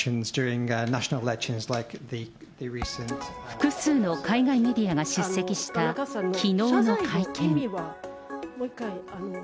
複数の海外メディアが出席したきのうの会見。